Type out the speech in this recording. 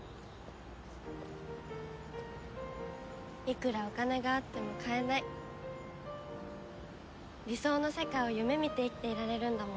いくらお金があっても買えない理想の世界を夢見て生きていられるんだもん。